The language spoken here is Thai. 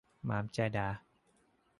หมำใจดา !